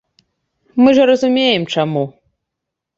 Мы ж разумеем, чаму.